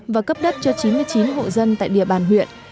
và cấp đất cho chín mươi chín hộ dân tại địa bàn huyện